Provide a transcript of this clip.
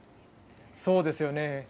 そうですよね。